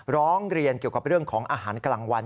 ร้องเรียนเกี่ยวกับเรื่องของอาหารกลางวัน